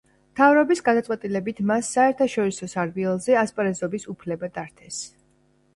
მთავრობის გადაწყვეტილებით მას საერთაშორისო სარბიელზე ასპარეზობის უფლება დართეს.